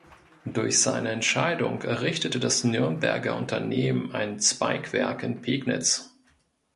Durch seine Entscheidung errichtete das Nürnberger Unternehmen ein Zweigwerk in Pegnitz.